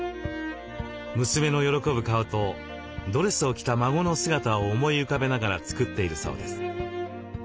娘の喜ぶ顔とドレスを着た孫の姿を思い浮かべながら作っているそうです。